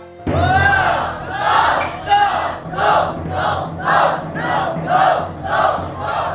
สู้